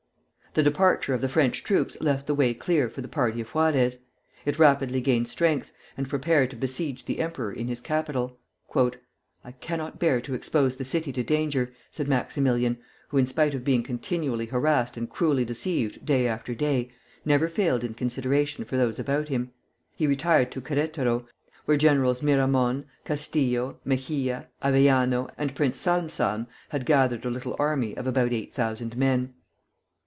The departure of the French troops left the way clear for the party of Juarez. It rapidly gained strength, and prepared to besiege the emperor in his capital. "I cannot bear to expose the city to danger," said Maximilian, who, in spite of being continually harassed and cruelly deceived day after day, never failed in consideration for those about him. He retired to Queretaro, where Generals Miramon, Castillo, Mejia, Avellano, and Prince Salm Salm had gathered a little army of about eight thousand men.